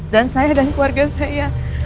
dan saya dan keluarga saya